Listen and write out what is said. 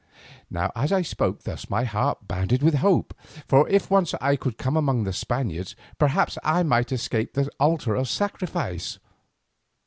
Now as I spoke thus my heart bounded with hope, for if once I could come among the Spaniards, perhaps I might escape the altar of sacrifice.